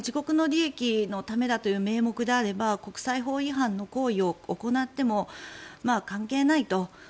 自国の利益のためだという名目であれば国際違反をしても関係ないと。